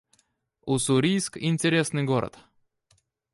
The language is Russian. Уссурийск — интересный город